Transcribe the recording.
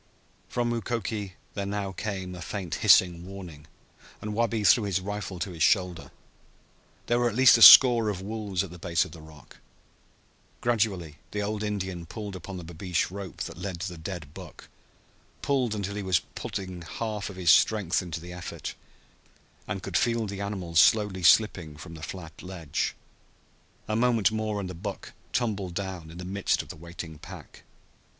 From Mukoki there now came a faint hissing warning, and Wabi threw his rifle to his shoulder. There were at least a score of wolves at the base of the rock. Gradually the old Indian pulled upon the babeesh rope that led to the dead buck pulled until he was putting a half of his strength into the effort, and could feel the animal slowly slipping from the flat ledge. A moment more and the buck tumbled down in the midst of the waiting pack.